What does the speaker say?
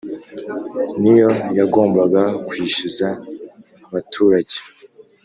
niyo yagombaga kwishyuza abaturage